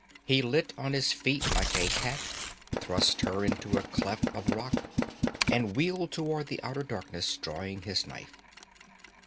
He lit on his feet like a cat, thrust her into a cleft of rock, and wheeled toward the outer darkness, drawing his knife.